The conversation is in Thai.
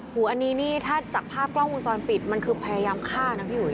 โอ้โหอันนี้นี่ถ้าจากภาพกล้องวงจรปิดมันคือพยายามฆ่านะพี่อุ๋